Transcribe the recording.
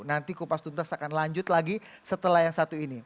nanti kupas tuntas akan lanjut lagi setelah yang satu ini